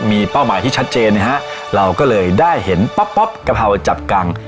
มีเป้าหมายที่ชัดเจนนะฮะเราก็เลยได้เห็นปั๊บกะเพราจับกัง